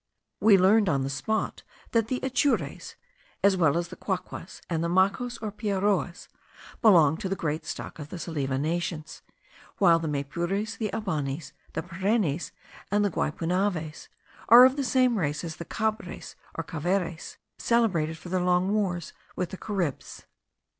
We learned on the spot, that the Atures, as well as the Quaquas, and the Macos or Piaroas, belong to the great stock of the Salive nations; while the Maypures, the Abanis, the Parenis, and the Guaypunaves, are of the same race as the Cabres or Caveres, celebrated for their long wars with the Caribs.